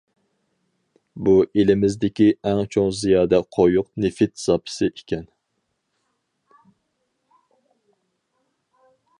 بۇ ئېلىمىزدىكى ئەڭ چوڭ زىيادە قويۇق نېفىت زاپىسى ئىكەن.